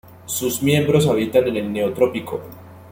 Sus miembros habitan en el neotrópico.